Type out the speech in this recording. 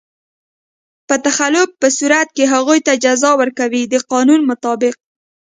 په تخلف په صورت کې هغوی ته جزا ورکوي د قانون مطابق.